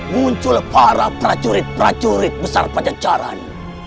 muncul para prajurit prajurit besar pajajaran